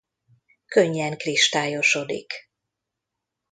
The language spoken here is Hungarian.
Könnyen kristályosodik.